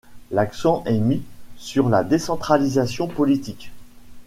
L'accent est mis sur la décentralisation politique.